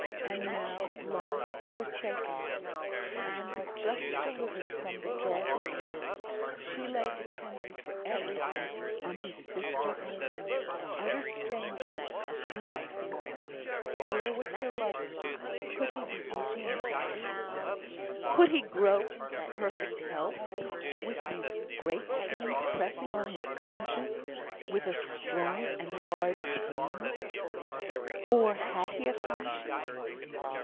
And now, lost, forsaken, and but just delivered from the jaws of death, she lay dependent for everything on his sister and him, utter strangers a few weeks ago. Where was her lover? Could he be easy and happy? Could he grow into perfect health, with these great sins pressing on his conscience with a strong and hard pain? Or had he a conscience?